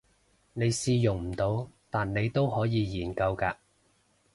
你試用唔到但你都可以研究嘅